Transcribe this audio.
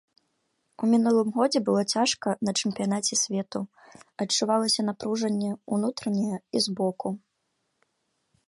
У мінулым годзе было цяжка на чэмпіянаце свету, адчувалася напружанне ўнутранае і з боку.